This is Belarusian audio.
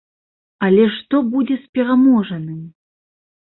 Але што будзе з пераможаным?